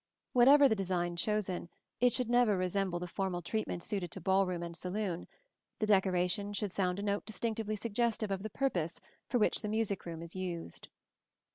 Whatever the design chosen, it should never resemble the formal treatment suited to ball room and saloon: the decoration should sound a note distinctly suggestive of the purpose for which the music room is used.